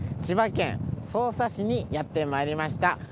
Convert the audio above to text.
千葉県匝瑳市にやってまいりました。